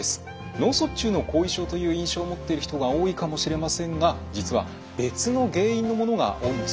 脳卒中の後遺症という印象を持っている人が多いかもしれませんが実は別の原因のものが多いんだそうです。